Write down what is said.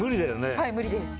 はい無理です。